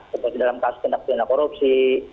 seperti dalam kasus tindak pidana korupsi